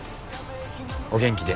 お元気で。